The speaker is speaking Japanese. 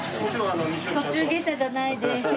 『途中下車』じゃないです。